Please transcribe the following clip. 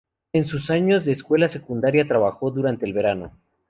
En sus años de escuela secundaria, trabajó durante el verano.